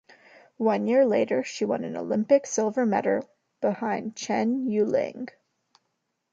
One year later she won an Olympic silver medal behind Chen Yueling.